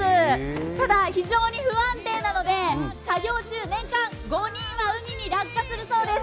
ただ非常に不安定なので作業中、年間５人は海に落下するそうです！